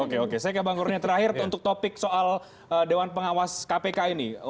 oke oke saya kebanggurnya terakhir untuk topik soal dewan pengawas kpk ini